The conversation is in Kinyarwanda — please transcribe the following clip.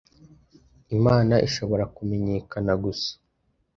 Imana ishobora kumenyekana gusa